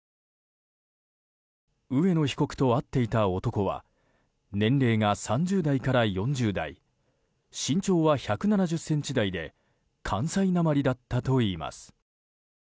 上野被告と会っていた男は年齢が３０代から４０代身長は１７０ｃｍ台で関西なまりだったといいます。